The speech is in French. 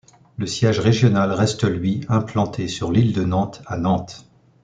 Le siège régional reste lui, implanté sur l'île de Nantes à Nantes.